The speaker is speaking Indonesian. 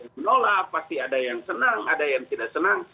menolak pasti ada yang senang ada yang tidak senang